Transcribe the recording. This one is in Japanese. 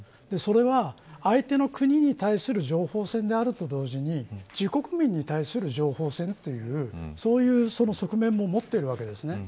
それは、相手の国に対する情報戦であると同時に自国民に対する情報戦というそういう側面も持っているわけです。